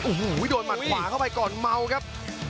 โอ้โหโดนหมัดขวาเข้าไปก่อนเมาครับ